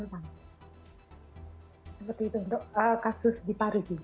seperti itu untuk kasus di paris